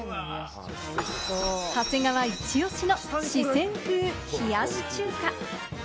長谷川イチオシの四川風冷やし中華。